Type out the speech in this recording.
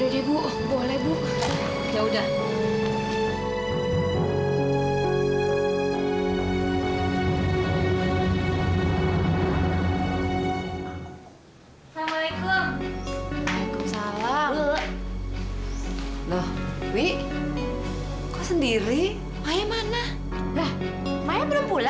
lebih banyak dari ini